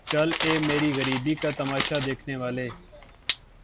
چل اے میری غریبی کا تماشا دیکھنے والے